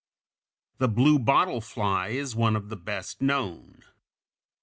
The bluebottle fly (Fig. 222) is one of the best known.